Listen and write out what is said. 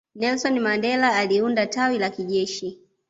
nelson mandela aliunda tawi la kijeshi